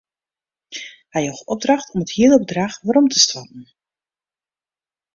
Hy joech opdracht om it hiele bedrach werom te stoarten.